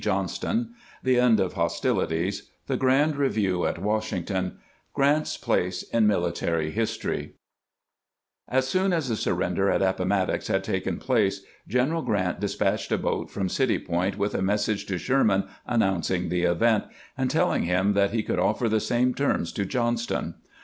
JOHNSTON — THE END OF HOSTILITIES — THE GKAND EEVTEW AT WASHINGTON — grant's place in MILITARY HISTORY AS soon as the surrender at Appomattox had taken ZTA place, G eneral Grant despatched a boat from City Point with a message to Sherman announcing the event, and telling him that he could offer the same terms to Johnston.